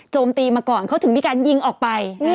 ตีมาก่อนเขาถึงมีการยิงออกไป